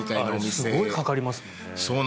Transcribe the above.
あれもすごいかかりますもんね。